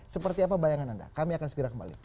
seperti apa bayangan anda kami akan segera kembali